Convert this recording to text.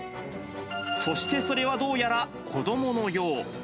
そしてそれはどうやら子どものよう。